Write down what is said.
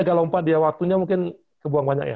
tiga lompat dia waktunya mungkin kebuang banyak ya